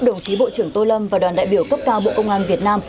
đồng chí bộ trưởng tô lâm và đoàn đại biểu cấp cao bộ công an việt nam